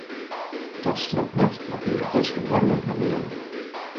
Dat strookt net mei Europeeske noarmen en wearden.